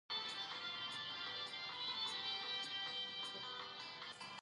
چې په زرگونو جرېبه ځمكه خړوبولى شي،